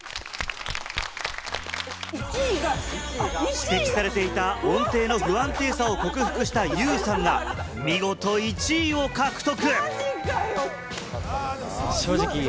指摘されていた音程の不安定さを克服したユウさんが見事１位を獲得。